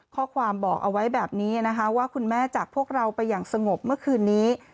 ข้อความบอกเอาไว้แบบนี้นะคะว่าคุณแม่จากพวกเราไปอย่างสงบเมื่อคืนนี้